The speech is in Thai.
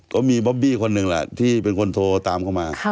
ก็มีบอบบี้คนหนึ่งแหละที่เป็นคนโทรตามเข้ามา